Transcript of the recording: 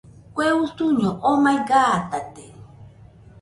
Kue usuño omai gatate